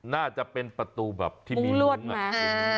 น่าจะเป็นประตูแบบที่มีมุ้งลวดแบบนี้